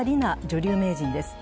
女流名人です。